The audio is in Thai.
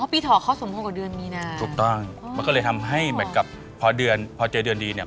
อ๋อปีถอเขาสมพงษ์กับเดือนมีนา